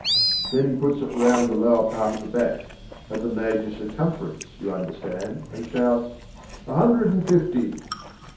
Then he puts it round the lower part of the back at the major circumference, you understand, and shouts, "a hundred and fifty!"